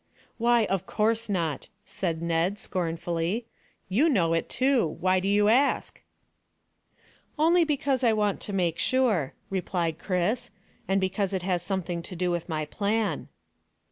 "Why, of course not," said Ned scornfully. "You know it too. Why do you ask?" "Only because I wanted to make sure," replied Chris, "and because it has something to do with my plan."